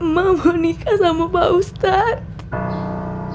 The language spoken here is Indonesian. mama mau nikah sama pak ustadz